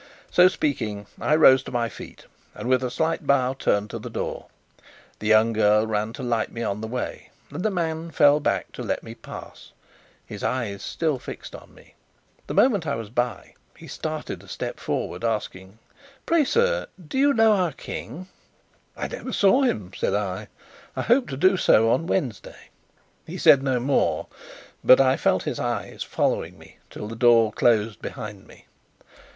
So speaking, I rose to my feet, and with a slight bow turned to the door. The young girl ran to light me on the way, and the man fell back to let me pass, his eyes still fixed on me. The moment I was by, he started a step forward, asking: "Pray, sir, do you know our King?" "I never saw him," said I. "I hope to do so on Wednesday." He said no more, but I felt his eyes following me till the door closed behind me.